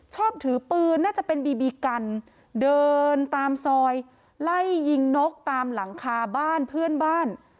ชอบถือปืนน่าจะเป็นบีบีกันเดินตามซอยไล่ยิงนกตามหลังคาบ้านเพื่อนบ้าน